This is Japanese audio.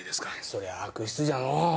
そりゃあ悪質じゃのう。